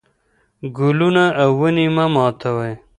ګلونه او ونې مه ماتوئ.